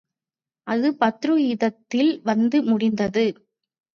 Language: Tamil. அது பத்ரு யுத்தத்தில் வந்து முடிந்தது.